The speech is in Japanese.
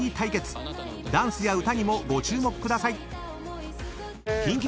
［ダンスや歌にもご注目ください］